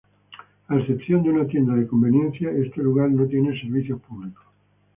A excepción de una tienda de conveniencia, este lugar no tiene servicios públicos.